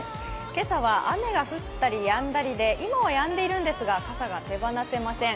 今朝は雨が降ったりやんだりで今はやんでいるんですが傘が手放せません。